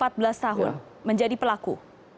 empat belas tahun menjadi pelaku